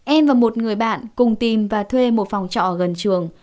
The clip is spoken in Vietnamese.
em và một người bạn cùng tìm và thuê một phòng trọ gần trường